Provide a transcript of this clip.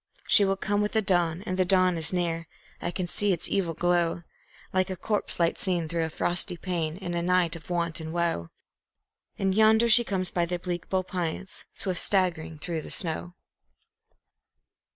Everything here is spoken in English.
She will come with the dawn, and the dawn is near; I can see its evil glow, Like a corpse light seen through a frosty pane in a night of want and woe; And yonder she comes by the bleak bull pines, swift staggering through the snow.